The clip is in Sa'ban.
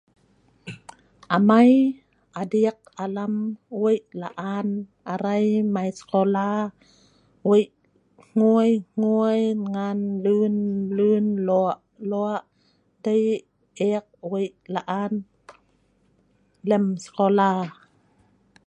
amai adik alam weik la'an arai mei sekola weik hgui hgui ngan hgui lun lun lok lok dei ek weik la'an lem sekola